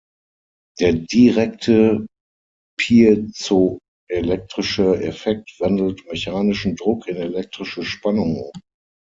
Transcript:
Der direkte piezoelektrische Effekt wandelt mechanischen Druck in elektrische Spannung um.